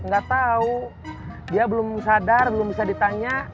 gatau dia belum sadar belum bisa ditanya